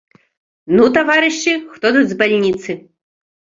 Ну, таварышы, хто тут з бальніцы?